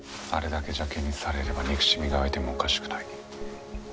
あれだけ邪険にされれば憎しみが湧いてもおかしくない。